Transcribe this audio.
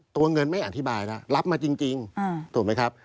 ตัวเงินไม่อธิบายแล้วรับมาจริงถูกไหมครับ